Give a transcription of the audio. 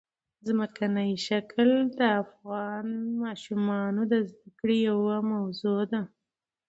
ځمکنی شکل د افغان ماشومانو د زده کړې یوه موضوع ده.